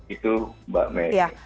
itu mbak meri